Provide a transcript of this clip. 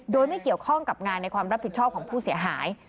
โดยไม่เกี่ยวข้องกับงานในความรับผิดชอบของผู้เสียหาย